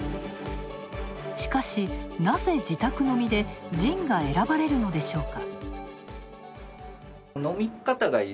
しかし、なぜ自宅飲みでジンが選ばれるのでしょうか。